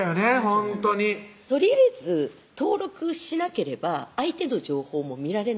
ほんとにとりあえず登録しなければ相手の情報も見られないので